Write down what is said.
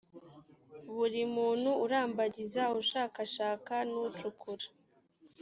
buri muntu urambagiza ushakashaka n ucukura